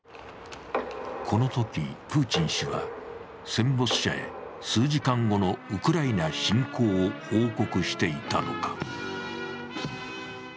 このときプーチン氏は戦没者へ数時間後のウクライナ侵攻を報告していたのか。